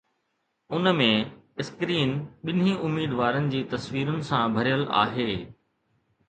ان ۾، screen ٻنهي اميدوارن جي تصويرن سان ڀريل آهي